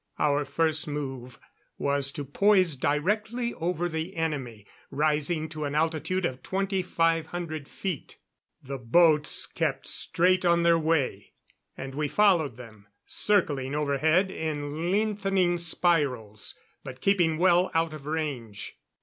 Our first move was to poise directly over the enemy, rising to an altitude of twenty five hundred feet. The boats kept straight on their way, and we followed them, circling overhead in lengthening spirals, but keeping well out of range.